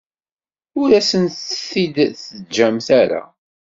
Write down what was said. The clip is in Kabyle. Ur asent-t-id-teǧǧamt ara.